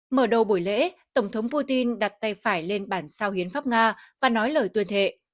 mở đầu buổi lễ tổng thống putin đặt tay phải lên bản sao hiến pháp nga và nói lời tuyên thệ